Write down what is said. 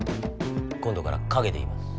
今度から陰で言います。